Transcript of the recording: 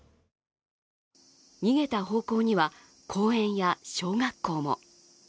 逃げた方向には公園や小学校も。